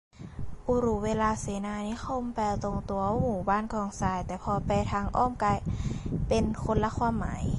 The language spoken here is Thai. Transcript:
อุรุเวลาเสนานิคม แปลตรงตัวว่าหมู่บ้านกองทราย แต่พอแปลทางอ้อมกลายเป็นคนละความหมาย